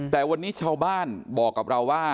แต่วันนี้ชาวบ้านบอกกับเราว่า